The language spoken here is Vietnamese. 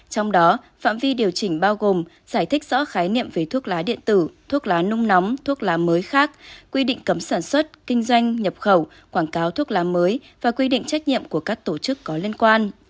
trong đó phạm vi điều chỉnh bao gồm giải thích rõ khái niệm về thuốc lá điện tử thuốc lá nung nóng thuốc lá mới khác quy định cấm sản xuất kinh doanh nhập khẩu quảng cáo thuốc lá mới và quy định trách nhiệm của các tổ chức có liên quan